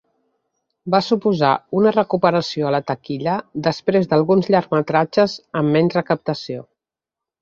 Va suposar una recuperació a la taquilla després d'alguns llargmetratges amb menys recaptació.